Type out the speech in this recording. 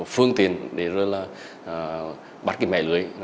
phương tiện để rồi là bắt cái mẻ lưỡi